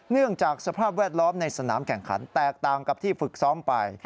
เนื่องจากสภาพแวดล้อมในสนามแข่งขันแตกต่างกับที่ฝึกซ้อมไป